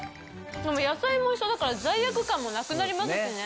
野菜も一緒だから罪悪感もなくなりますしね。